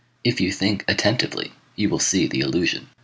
If you think attentively, you will see the allusion.